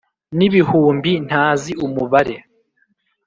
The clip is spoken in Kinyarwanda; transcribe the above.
N'ibihumbi ntazi umubare